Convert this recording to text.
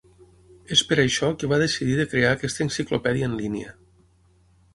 És per això que va decidir de crear aquesta enciclopèdia en línia.